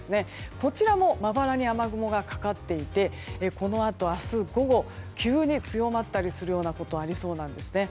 こちらもまばらに雨雲がかかっていてこのあと明日午後急に強まったりするようなことありそうなんですね。